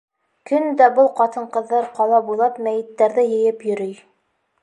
Көн дә был ҡатын-ҡыҙҙар ҡала буйлап мәйеттәрҙе йыйып йөрөй.